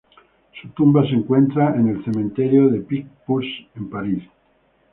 Su tumba se encuentra en el cementerio de Picpus en París.